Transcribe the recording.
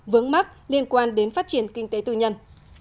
vướng mắc liên quan đến phát triển kinh tế tư nhân